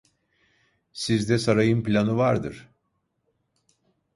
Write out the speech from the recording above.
Sizde sarayın planı vardır.